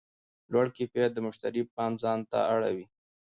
لوړ کیفیت د مشتری پام ځان ته رااړوي.